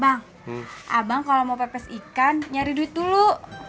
bang abang kalau mau pepes ikan nyari duit dulu